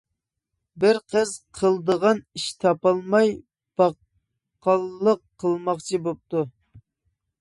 بىر قىز قىلىدىغان ئىش تاپالماي باققاللىق قىلماقچى بوپتۇ.